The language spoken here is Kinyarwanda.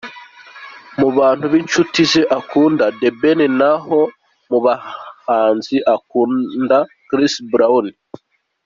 Mu bantu b’inshuti ze akunda The Ben naho mu bahanzi akunda Chris Brown.